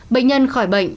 bệnh nhân khỏi bệnh